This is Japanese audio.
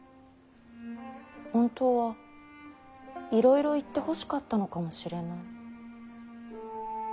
本当はいろいろ言ってほしかったのかもしれない。